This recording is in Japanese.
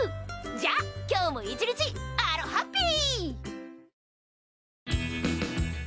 じゃあ今日も１日アロハッピー！